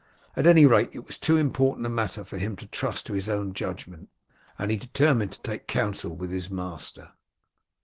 At any rate it was too important a matter for him to trust to his own judgment, and he determined to take counsel with his master.